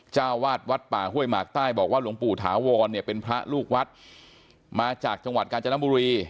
เจ้าวาดวัดป่าห้วยหมากใต้บอกว่าหลวงปู่ถาวรเนี่ยเป็นพระลูกวัดมาจากจังหวัดกาญจนบุรี